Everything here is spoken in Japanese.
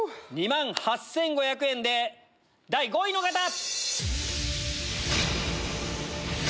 ２万８５００円で第５位の方！